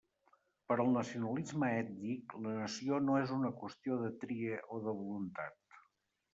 Per al nacionalisme ètnic, la nació no és una qüestió de tria o de voluntat.